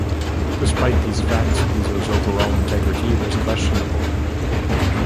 Despite these facts Piso's overall integrity was questionable.